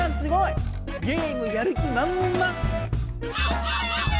ゲームやる気まんまん！